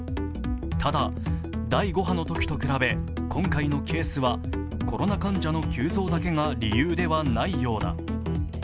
ただ、第５波のときと比べ今回のケースはコロナ患者の急増だけが理由ではないようだ。